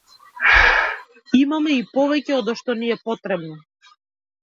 Имаме и повеќе одошто ни е потребно.